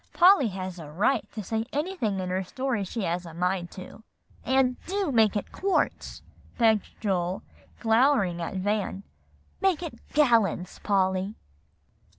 "Polly has a right to say anything in her stories she has a mind to." "And do make it quarts," begged Joel, glowering at Van. "Make it gallons, Polly."